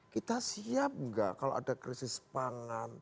kita siap nggak kalau ada krisis pangan